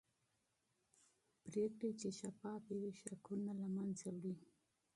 پرېکړې چې شفافې وي شکونه له منځه وړي